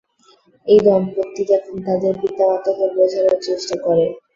এই দম্পতি এখন তাদের পিতামাতাকে বোঝানোর চেষ্টা করে।